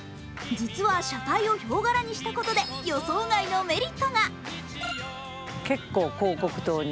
実は車体をひょう柄にしたことで、予想外のメリットが。